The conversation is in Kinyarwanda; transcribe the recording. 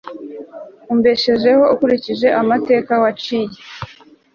umbesheho ukurikije amateka waciye